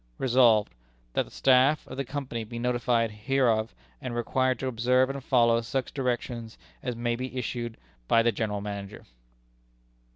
"Resolved, That the staff of the Company be notified hereof, and required to observe and follow such directions as may be issued by the General Manager."